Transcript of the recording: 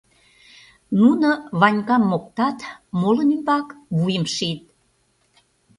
Нуно Ванькам моктат, молын ӱмбак вуйым шийыт.